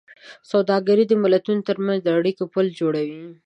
سوداګري د ملتونو ترمنځ د اړیکو پُل جوړوي.